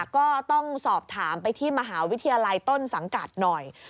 ก็ต้องสอบถามไปที่มหาวิทยาลัยต้นสังกัดหน่อย